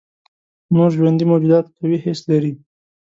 نور ژوندي موجودات قوي حس لري.